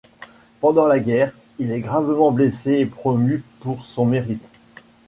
Pendant la guerre, il est gravement blessé et promu pour son mérite.